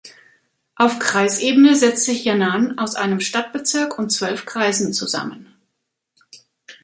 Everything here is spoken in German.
Auf Kreisebene setzt sich Yan’an aus einem Stadtbezirk und zwölf Kreisen zusammen.